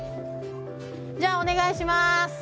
じゃあお願いします。